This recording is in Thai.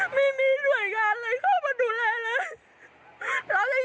ไม่มีหน่วยงานเลยเข้ามาดูแลเลย